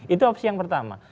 itu opsi yang pertama